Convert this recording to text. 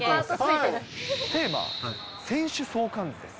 テーマ、選手相関図です。